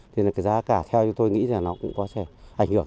thế là cái giá cả theo chúng tôi nghĩ là nó cũng có thể ảnh hưởng